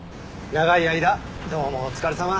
長い間どうもお疲れさま。